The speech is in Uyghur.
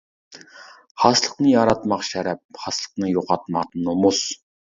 خاسلىقىنى ياراتماق شەرەپ، خاسلىقىنى يوقاتماق نومۇس.